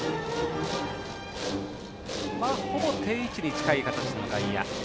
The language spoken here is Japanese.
ほぼ定位置に近い形、外野。